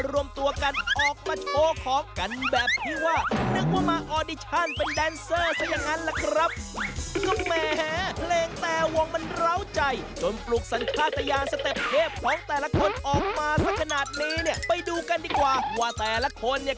รวมมาแล้วติดตามกันเลยในช่วงของตลอดโซเชียล